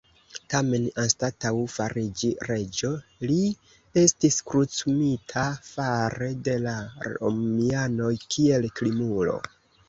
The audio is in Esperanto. Tamen, anstataŭ fariĝi reĝo, li estis krucumita fare de la romianoj kiel krimulo.